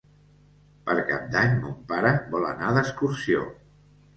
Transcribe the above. Per Cap d'Any mon pare vol anar d'excursió.